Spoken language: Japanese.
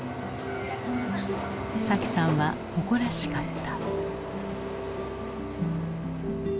沙季さんは誇らしかった。